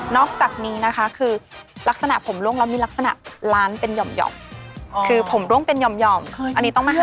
อกจากนี้นะคะคือลักษณะผมร่วงแล้วมีลักษณะล้านเป็นห่อมคือผมร่วงเป็นห่อมอันนี้ต้องไม่ให้